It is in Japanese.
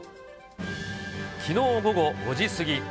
きのう午後５時過ぎ。